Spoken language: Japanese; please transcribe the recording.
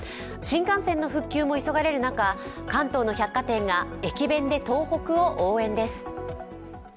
新幹線の復旧も急がれる中関東の百貨店が駅弁で東北を応援です。